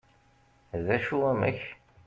d acu amek?